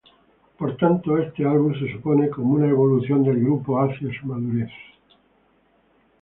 Por tanto, este álbum se supone como una evolución del grupo hacia su madurez.